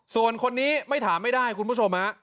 ส่วนคนนี้ไม่ถามไม่ได้คุณผู้ชมฮะ